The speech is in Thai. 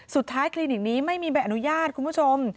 คลินิกนี้ไม่มีใบอนุญาตคุณผู้ชม